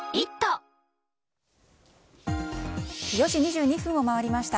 ４時２２分を回りました。